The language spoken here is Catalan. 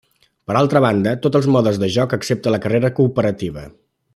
Per altra banda, tots els modes de joc excepte la carrera cooperativa.